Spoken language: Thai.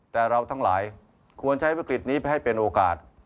แต่เราทั้งหลายควรใช้วิกฤตนี้ไปให้เป็นโอกาส